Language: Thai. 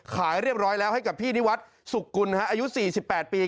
ขายเรียบร้อยแล้วให้กับพี่นิวัตรศุกรุณฮะอายุสี่สิบแปดปี